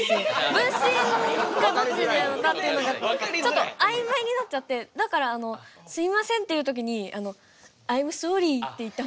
分身がどっちになるのかっていうのがちょっと曖昧になっちゃってだから「すいません」って言う時に「アイムソーリー」って言った方が。